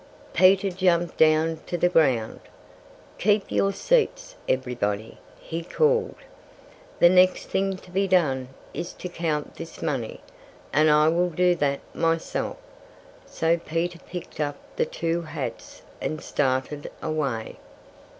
Peter jumped down to the ground. "Keep your seats, everybody!" he called. "The next thing to be done is to count this money. And I will do that myself." So Peter picked up the two hats and started away.